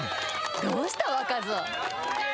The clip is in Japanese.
どうした、若造。